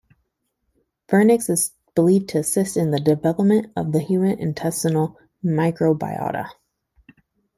Vernix is believed to assist in the development of the human intestinal microbiota.